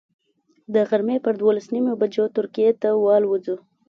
د غرمې پر دولس نیمو بجو ترکیې ته والوځو.